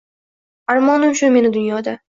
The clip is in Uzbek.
Armonim shu meni Dunyoda